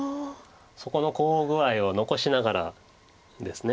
そこのコウ具合を残しながらです。